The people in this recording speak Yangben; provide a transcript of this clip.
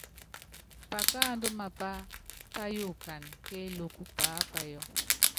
Pakáandú mapá páyukana kéélúkú paápayɔ.